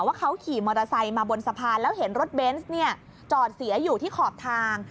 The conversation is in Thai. ว่าเขาขี่มอเตอร์ไซค์มาบนสะพานแล้วเห็นรถเบนส์จอดเสียอยู่ที่ขอบทาง